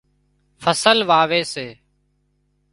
فصل واوي سي